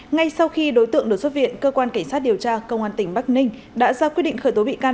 ngay sau khi đối tượng được xuất viện cơ quan cảnh sát điều tra công an tỉnh bắc ninh đã ra quyết định khởi tố bị can